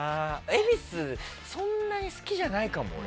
そんなに好きじゃないかも。